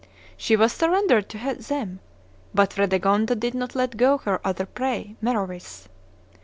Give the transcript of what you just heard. She was surrendered to them; but Fredegonde did not let go her other prey, Merovice.